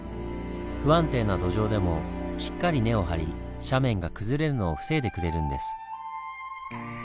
不安定な土壌でもしっかり根を張り斜面が崩れるのを防いでくれるんです。